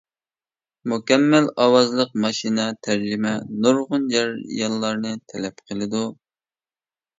مۇكەممەل ئاۋازلىق ماشىنا تەرجىمە، نۇرغۇن جەريانلارنى تەلەپ قىلىدۇ.